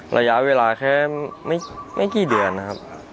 ระยะเวลาแค่ไม่กี่เดือนนะครับ